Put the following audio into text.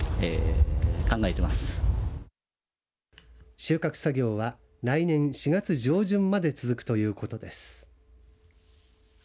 収穫作業は来年４月上旬まで続くということです。